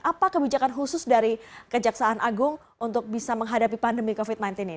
apa kebijakan khusus dari kejaksaan agung untuk bisa menghadapi pandemi covid sembilan belas ini